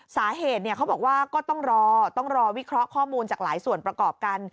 สาเหตุเขาบอกว่าก็ต้องรอต้องรอวิเคราะห์ข้อมูลจากหลายส่วนประกอบกัน